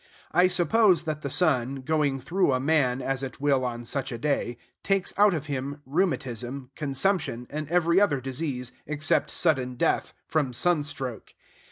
I suppose that the sun, going through a man, as it will on such a day, takes out of him rheumatism, consumption, and every other disease, except sudden death from sun stroke.